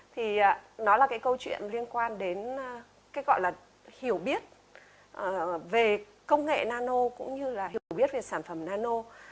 thì nó là cái câu chuyện liên quan đến cái gọi là hiểu biết về công nghệ nano cũng như là hiểu biết về sản phẩm nano